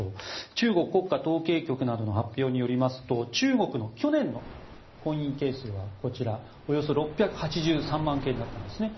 中国国家統計局などの発表によりますと中国の去年の婚姻件数はおよそ６８３万件だったんですね。